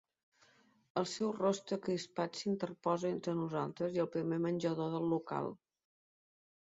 El seu rostre crispat s'interposa entre nosaltres i el primer menjador del local.